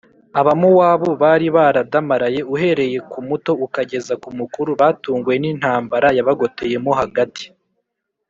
Abamowabu bari baradamaraye uhereye ku muto ukageza ku mukuru batunguwe n’intambara yabagoteyemo hagati.